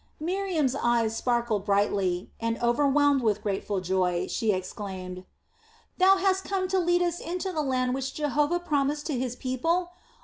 Miriam's eyes sparkled brightly and, overwhelmed with grateful joy, she exclaimed: "Thou hast come to lead us into the land which Jehovah promised to His people?